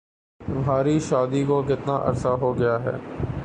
تمہاری شادی کو کتنا عرصہ ہو گیا ہے؟